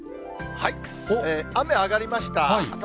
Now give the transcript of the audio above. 雨上がりました。